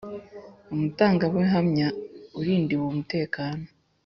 umutangabuhamya urindiwe umutekano